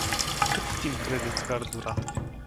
Cât timp credeți că ar dura?